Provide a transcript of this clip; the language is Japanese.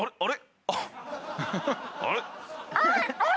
あれ？